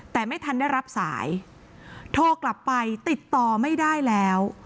แต่ไม่ทันได้รับสายโทรกลับไปติดต่อไม่ได้แล้ว